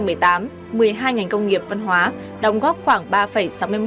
thì năm hai nghìn một mươi tám một mươi hai ngành công nghiệp văn hóa đóng góp khoảng ba sáu mươi một gdp